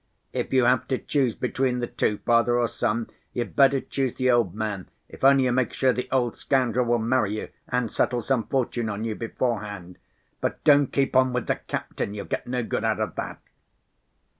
"If you have to choose between the two, father or son, you'd better choose the old man, if only you make sure the old scoundrel will marry you and settle some fortune on you beforehand. But don't keep on with the captain, you'll get no good out of that."